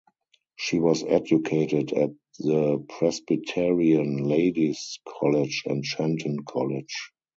She was educated at the Presbyterian Ladies' College and Shenton College.